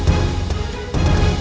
saya mau ke rumah